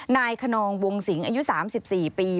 นายขนองวงศิงศ์อายุ๓๔ปี